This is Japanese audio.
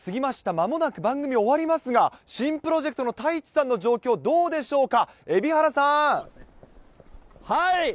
まもなく番組終わりますが、新プロジェクトの太一さんの状況、どうでしょうか。